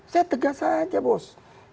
saya tegas aja bos